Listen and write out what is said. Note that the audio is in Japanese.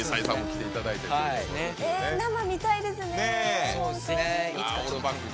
生、見たいですね。